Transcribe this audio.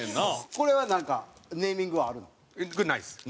これはなんかネーミングはあるの？